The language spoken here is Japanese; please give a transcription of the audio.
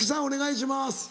お願いします。